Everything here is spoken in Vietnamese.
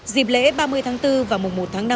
dịp lễ ba mươi tháng bốn và mùa một tháng năm